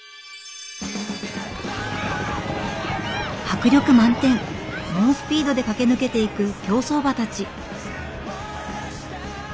迫力満点猛スピードで駆け抜けていく競走馬たち。